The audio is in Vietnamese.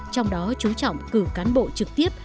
trong đó chú trọng cử cán bộ trực tiếp